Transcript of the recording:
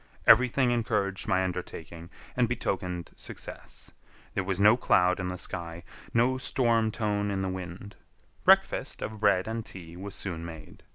Everything encouraged my undertaking and betokened success. There was no cloud in the sky, no storm tone in the wind. Breakfast of bread and tea was soon made.